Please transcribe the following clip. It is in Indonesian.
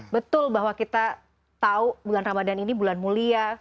betul bahwa kita tahu bulan ramadan ini bulan mulia